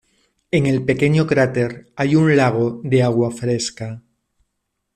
En el pequeño cráter hay un lago de agua fresca.